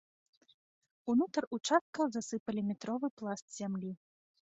Унутр участкаў засыпалі метровы пласт зямлі.